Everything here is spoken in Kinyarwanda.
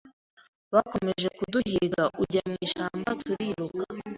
Bakomeje kuduhiga ujya mu ishamba turiruka